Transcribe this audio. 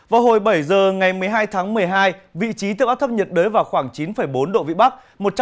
vào hồi bảy giờ ngày một mươi hai tháng một mươi hai vị trí tâm áp thấp nhiệt đới vào khoảng chín bốn độ vĩ bắc